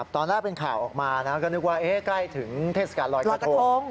ตอนแรกเป็นข่าวออกมาก็นึกว่าใกล้ถึงเทศกาลลอยกระทง